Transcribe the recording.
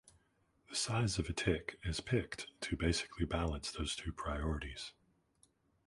The size of a tick is picked to basically balance those two priorities.